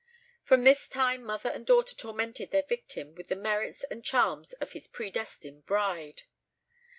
From this time mother and sister tormented their victim with the merits and charms of his predestined bride.